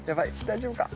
大丈夫か？